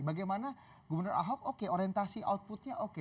bagaimana gubernur ahok oke orientasi outputnya oke